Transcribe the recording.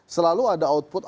selalu ada output output